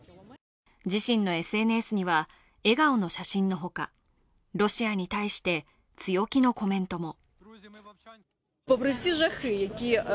自身のＳＮＳには、笑顔の写真のほか、ロシアに対して強気のコメントも。